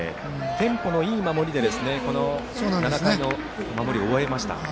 テンポのいい守りで７回の守りを終えました。